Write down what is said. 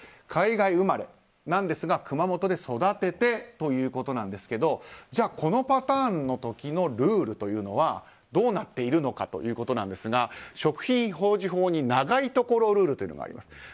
海外生まれですが熊本で育ててということなんですけどこのパターンの時のルールというのはどうなっているのかということなんですが食品表示法に長いところルールというのがあります。